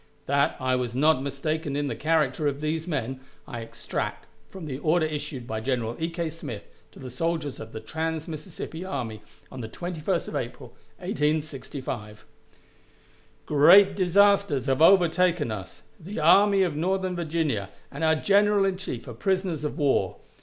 That I was not mistaken in the character of these men, I extract from the order issued by General E. K. Smith to the soldiers of the trans Mississippi Army on the 21st of April, 1865: "Great disasters have overtaken us. The Army of Northern Virginia and our General in Chief are prisoners of war.